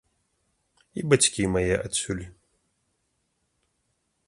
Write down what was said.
І бацькі мае адсюль.